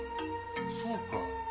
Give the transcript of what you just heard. そうか。